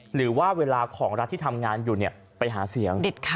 หรือว่าเวลาของรัฐที่ทำงานอยู่ไปหาเสียง